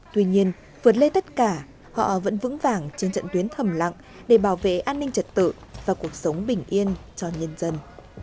tuy nhiên vượt lên tất cả họ vẫn vững vàng trên trận tuyến thầm lặng để bảo vệ an ninh trật tự và cuộc sống bình yên cho nhân dân